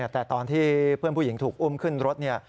แต่ตอนที่เพื่อนผู้หญิงถูกอุ้มขึ้นรถ